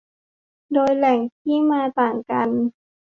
โดยแหล่งที่มาต่างกัน